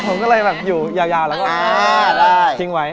ผมก็เลยแบบอยู่ยาวแล้วก็ทิ้งไว้